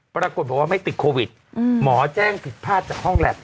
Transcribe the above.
ปรากฏบอกว่าไม่ติดโควิดหมอแจ้งผิดพลาดจากห้องแล็บ